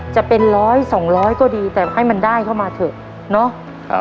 จะเป็นร้อยสองร้อยก็ดีแต่ให้มันได้เข้ามาเถอะเนาะ